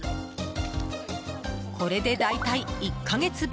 これで大体１か月分。